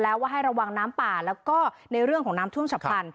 แล้วว่าให้ระวังน้ำป่าแล้วก็ในเรื่องของน้ำท่วมฉับพลัน